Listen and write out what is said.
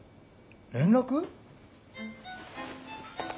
連絡？